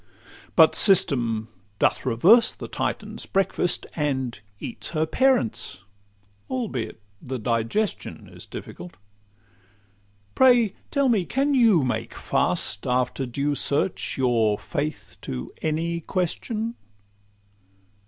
But System doth reverse the Titan's breakfast, And eats her parents, albeit the digestion Is difficult. Pray tell me, can you make fast, After due search, your faith to any question?